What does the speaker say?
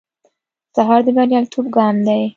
سهار د بریالیتوب ګام دی.